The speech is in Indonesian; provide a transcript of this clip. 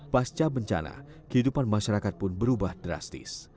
pasca bencana kehidupan masyarakat pun berubah drastis